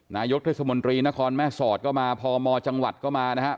นายกเทศมนตรีนครแม่สอดก็มาพมจังหวัดก็มานะครับ